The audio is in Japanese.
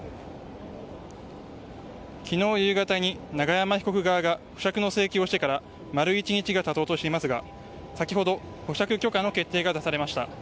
昨日夕方に永山被告側が保釈の請求をしてから丸１日が経とうとしていますが先ほど保釈許可の決定が出されました。